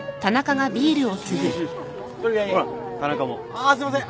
ああすいません。